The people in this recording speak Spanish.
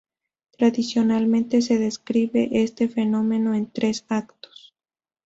Tradicionalmente se describe este fenómeno en tres "actos".